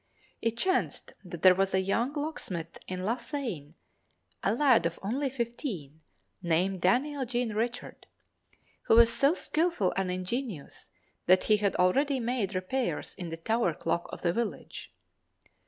It chanced that there was a young locksmith in La Sagne, a lad of only fifteen, named Daniel Jean Richard, who was so skilful and ingenious that he had already made repairs in the tower clock of the village.